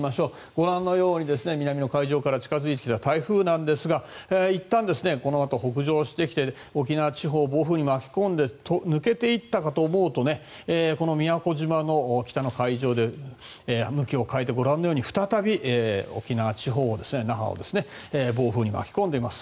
ご覧のように南の海上から近付いてきた台風ですがいったん、このあと北上してきて沖縄地方を暴風に巻き込んで抜けていったかと思うと宮古島の北の海上で向きを変えて、再び沖縄地方那覇を暴風に巻き込んでいます。